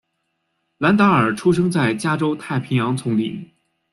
兰达尔出生在加州太平洋丛林。